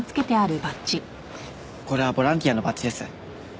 これはボランティアのバッジです。